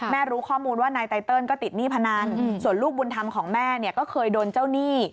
รู้ข้อมูลว่านายไตเติลก็ติดหนี้พนันส่วนลูกบุญธรรมของแม่เนี่ยก็เคยโดนเจ้าหนี้